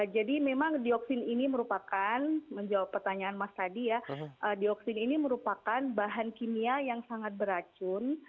jadi memang dioksin ini merupakan menjawab pertanyaan mas tadi ya dioksin ini merupakan bahan kimia yang sangat beracun